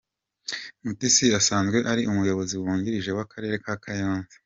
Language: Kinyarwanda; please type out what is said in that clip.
Mutesi asanzwe ari umuyobozi wungirije w’akarere ka Kayonza.